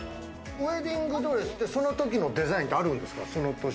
ウエディングドレスって、その時のデザインってあるんですか？